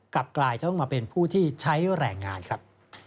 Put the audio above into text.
กลายจะต้องมาเป็นผู้ที่ใช้แรงงานครับ